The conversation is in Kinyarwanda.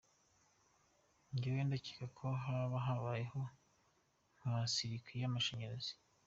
Njyewe ndakeka ko haba habayeho nka ‘circuit’ y’amashanyarazi.